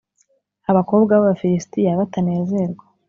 Abakobwa b’Abafilisitiya batanezerwa